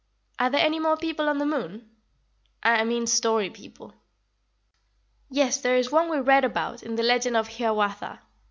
Are there any more people on the moon I mean story people?" "Yes, there is one we read about in the legend of Hiawatha.